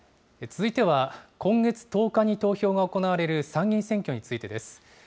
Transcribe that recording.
続いては今月１０日に投票が行われる参議院選挙についてです。